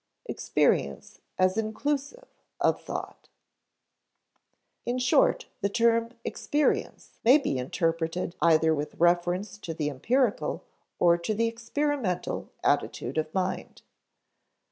[Sidenote: Experience as inclusive of thought] In short, the term experience may be interpreted either with reference to the empirical or the experimental attitude of mind.